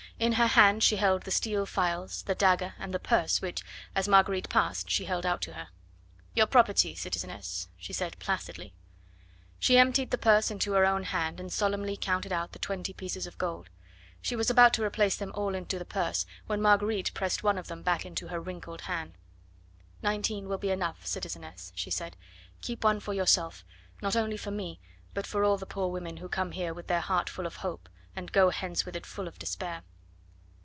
In her hand she held the steel files, the dagger and the purse which, as Marguerite passed, she held out to her. "Your property, citizeness," she said placidly. She emptied the purse into her own hand, and solemnly counted out the twenty pieces of gold. She was about to replace them all into the purse, when Marguerite pressed one of them back into her wrinkled hand. "Nineteen will be enough, citizeness," she said; "keep one for yourself, not only for me, but for all the poor women who come here with their heart full of hope, and go hence with it full of despair."